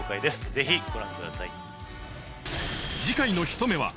ぜひご覧ください。